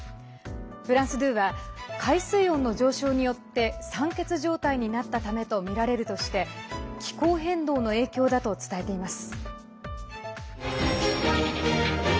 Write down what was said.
フランス２は海水温の上昇によって酸欠状態になったためとみられるとして気候変動の影響だと伝えています。